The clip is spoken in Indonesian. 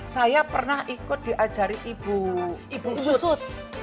saya pernah ikut diajari ibu sud